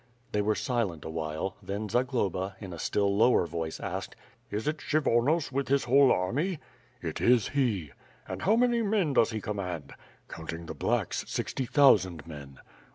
They were silent awhile, then Zagloba, in a still lower voic^ asked, "I9 it Kshyvono3 with his whole army?* WITH FIRE AND SWORD. 379 "It is he." "And how many men does he command?" "Counting the ^blacks/ sixty thousand men."